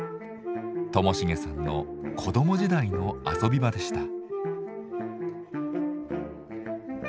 寛茂さんの子ども時代の遊び場でした。